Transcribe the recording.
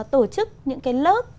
tổ chức những lớp